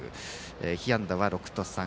被安打は６と３。